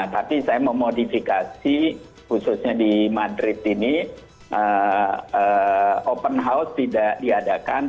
tapi saya memodifikasi khususnya di madrid ini open house tidak diadakan